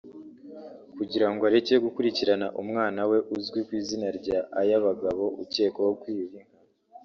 kugira ngo areke gukurikirana umwana we uzwi ku izina rya Ayabagabo ukekwaho kwiba inka